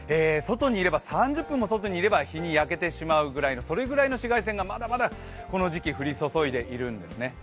３０分も外にいれば日に焼けてしまうぐらいのそれぐらいの紫外線がまだまだこの時期降り注いでいるんですね。